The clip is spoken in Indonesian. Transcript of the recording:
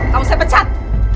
kamu saya pecat